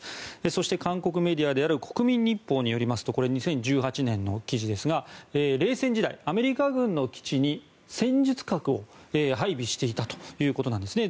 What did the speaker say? そして韓国メディアである国民日報によりますとこれ、２０１８年の記事ですが冷戦時代、アメリカ軍の基地に戦術核を配備していたということなんですね。